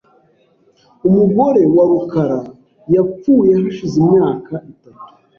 Umugore wa rukara yapfuye hashize imyaka itatu .